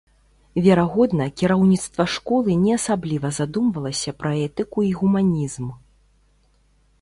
Верагодна, кіраўніцтва школы не асабліва задумвалася пра этыку і гуманізм.